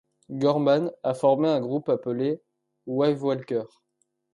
Gorman a formé un groupe appelé Wavewalkers.